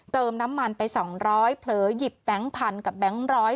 เติมน้ำมันไป๒๐๐บาทเดร์หยิบแบงก์พันก์ก็แบงก์ล้อย